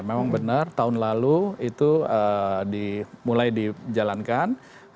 memang benar tahun lalu itu mulai dijalankan